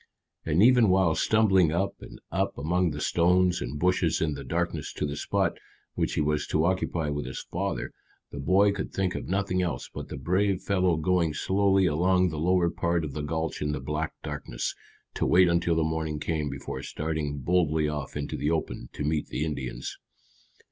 And even while stumbling up and up among the stones and bushes in the darkness to the spot which he was to occupy with his father, the boy could think of nothing else but the brave fellow going slowly along the lower part of the gulch in the black darkness, to wait until the morning came before starting boldly off into the open to meet the Indians.